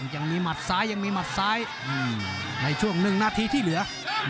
หมัดซ้ายยังมีหมัดซ้ายในช่วง๑นาทีที่เหลือ